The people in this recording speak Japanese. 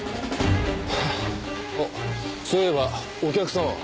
あっそういえばお客様は？